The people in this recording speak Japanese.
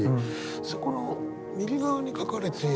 そこの右側に描かれている。